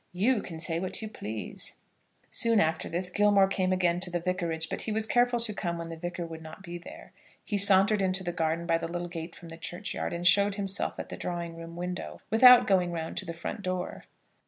You can say what you please." Soon after this, Gilmore came again to the Vicarage; but he was careful to come when the Vicar would not be there. He sauntered into the garden by the little gate from the churchyard, and showed himself at the drawing room window, without going round to the front door.